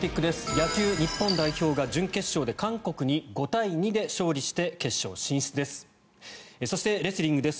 野球日本代表が準決勝で韓国に５対２で勝利して決勝進出です。